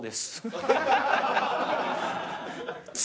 ハハハハ！